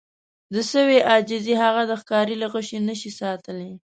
د سویې عاجزي هغه د ښکاري له غشي نه شي ساتلی.